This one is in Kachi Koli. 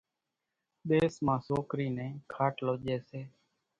ۮيس مان سوڪرِي نين کاٽلو ڄيَ سي۔